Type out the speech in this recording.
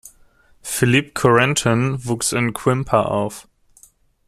Philippe Corentin wuchs in Quimper auf.